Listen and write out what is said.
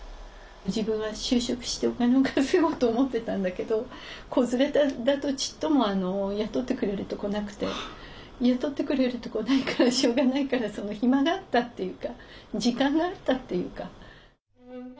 自分は就職してお金を稼ごうと思ってたんだけど子連れだとちっとも雇ってくれるとこなくて雇ってくれるとこないからしょうがないから暇があったっていうか時間があったっていうか。